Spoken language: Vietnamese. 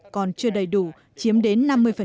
còn chưa đầy đủ chiếm đến năm mươi